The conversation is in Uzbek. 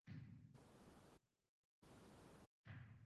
Ulardan biri bemorning o`g`li, narigisi esa, kelini ekan